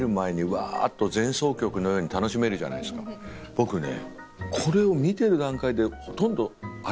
僕ね。